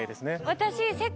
私。